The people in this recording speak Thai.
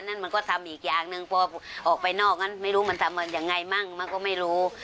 นั่นมันก็ทำอีกอย่างหนึ่งพอออกไปนอกนั้นไม่รู้มันทำยังไงมั่งมันก็ไม่รู้